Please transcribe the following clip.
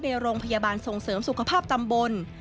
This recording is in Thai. ในโรงพยาบาลส่งเสริมสุขภาพตำบล